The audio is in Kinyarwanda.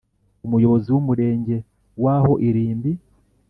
Umuyobozi w Umurenge w aho irimbi